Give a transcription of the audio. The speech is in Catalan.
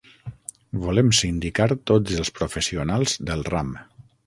Volem sindicar tots els professionals del ram.